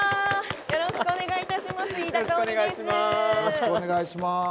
よろしくお願いします。